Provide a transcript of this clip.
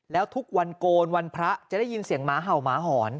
แล้วทุกวันโกนวันพระจะได้ยินเสียงหมาเห่าหมาหอน